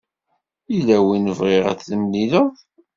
Yella win bɣiɣ ad t-temlileḍ.